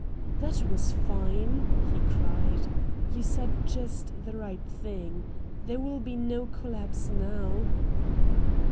"That was fine!" he cried. "You said just the right thing. There will be no collapse now."